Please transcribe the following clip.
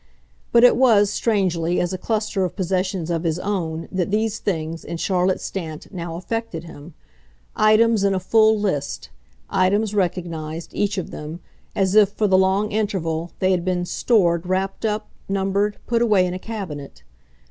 But it was, strangely, as a cluster of possessions of his own that these things, in Charlotte Stant, now affected him; items in a full list, items recognised, each of them, as if, for the long interval, they had been "stored" wrapped up, numbered, put away in a cabinet.